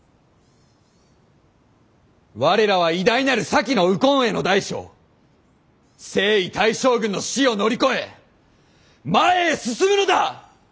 我らは偉大なる先の右近衛大将征夷大将軍の死を乗り越え前へ進むのだ！